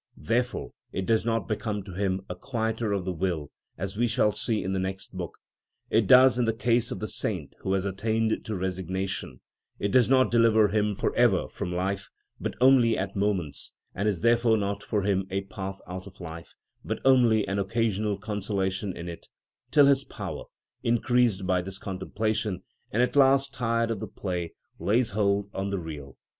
Therefore it does not become to him a quieter of the will, as, we shall see in the next book, it does in the case of the saint who has attained to resignation; it does not deliver him for ever from life, but only at moments, and is therefore not for him a path out of life, but only an occasional consolation in it, till his power, increased by this contemplation and at last tired of the play, lays hold on the real.